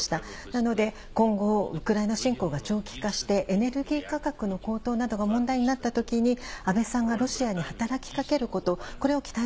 なので、今後ウクライナ侵攻が長期化して、エネルギー価格の高騰などが問題になったときに、安倍さんがロシアに働きかけること、これを期待